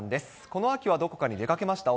この秋はどこかに出かけました？